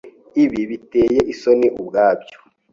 Ibi biteye isoni ubwabyo.